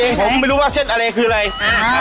เองผมไม่รู้ว่าเส้นอะไรคืออะไร